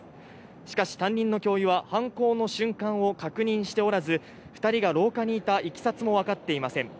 しかし担任の教諭は犯行の瞬間を確認しておらず、２人が廊下にいたいきさつも分かっていません。